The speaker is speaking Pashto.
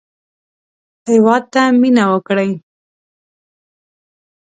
هېواد ته مېنه وکړئ